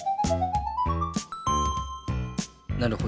なるほど！